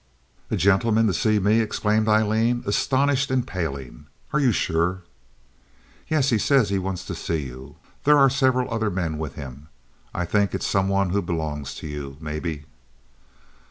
"A gentleman to see me!" exclaimed Aileen, astonished and paling. "Are you sure?" "Yes; he says he wants to see you. There are several other men with him. I think it's some one who belongs to you, maybe."